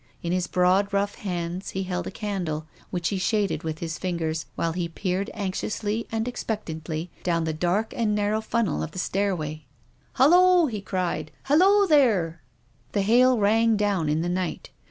In his broad rough hands he held a candle, which he shaded with his fingers while he peered anxiously and expectantly down the dark and narrow funnel of the stairway. " Hulloh !" he cried. " Hulloh, there !" The hail rang down in the night.